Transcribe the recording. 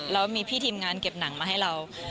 แล้วมีพี่ทีมงานเก็บหนังมาให้เรา